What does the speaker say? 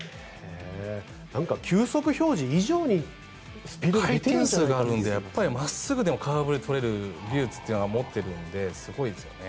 球速表示以上に回転数があるので真っすぐでも空振りを取れる技術というのを持っているのですごいですよね。